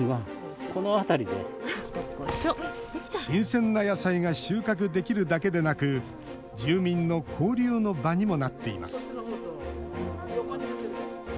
新鮮な野菜が収穫できるだけでなく住民の交流の場にもなっています。